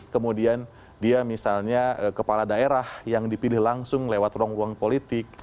kemudian dia misalnya kepala daerah yang dipilih langsung lewat ruang ruang politik